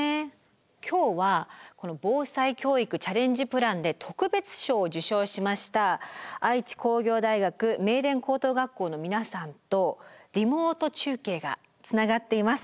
今日は「防災教育チャレンジプラン」で特別賞を受賞しました愛知工業大学名電高等学校の皆さんとリモート中継がつながっています。